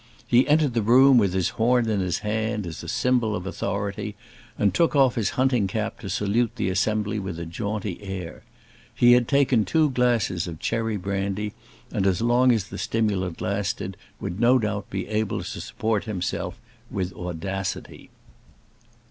He entered the room with his horn in his hand, as a symbol of authority, and took off his hunting cap to salute the assembly with a jaunty air. He had taken two glasses of cherry brandy, and as long as the stimulant lasted would no doubt be able to support himself with audacity.